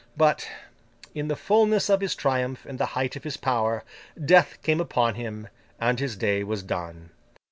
But, in the fulness of his triumph and the height of his power, Death came upon him, and his day was done.